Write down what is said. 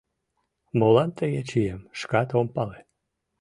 Молан тыге чием, шкат ом пале.